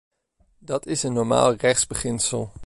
Dat is een normaal rechtsbeginsel.